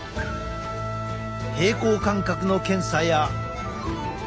平衡感覚の検査や。